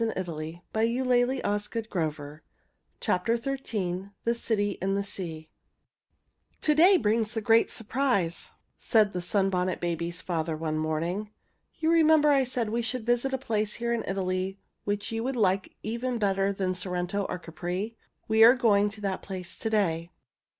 [Illustration: The City in the Sea] THE CITY IN THE SEA "To day brings the great surprise," said the Sunbonnet Babies' father one morning. "You remember I said we should visit a place here in Italy which you would like even better than Sorrento or Capri. We are going to that place to day."